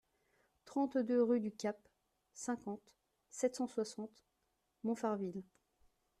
trente-deux rue du Cap, cinquante, sept cent soixante, Montfarville